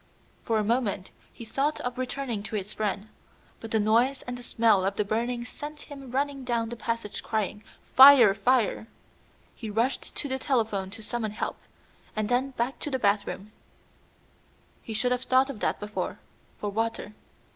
For a moment he thought of returning to his friend, but the noise and the smell of the burning sent him running down the passage crying, "Fire! Fire!" He rushed to the telephone to summon help, and then back to the bathroom he should have thought of that before for water.